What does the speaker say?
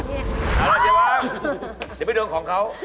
เอาล่ะเดี๋ยวบ้างเดี๋ยวไปดูของเขา